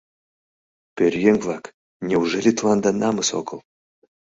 Пӧръеҥ-влак, неужели тыланда намыс огыл?